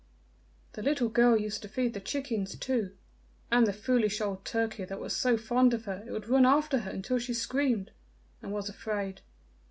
"The little girl used to feed the chickens too, and the foolish old turkey that was so fond of her it would run after her until she screamed and was afraid.